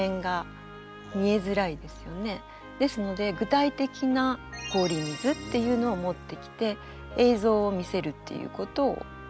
ですので具体的な「氷水」っていうのを持ってきて映像を見せるっていうことを考えてみました。